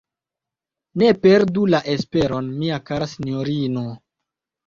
Ne perdu la esperon, mia kara sinjorino!